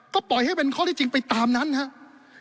ก็ปล่อยให้เป็นข้อที่จริงไปตามนั้นครับ